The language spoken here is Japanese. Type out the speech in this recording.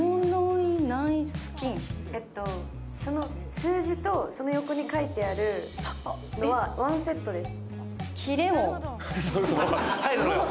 数字とその横に書いてあるのはワンセットです。